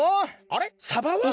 あれ？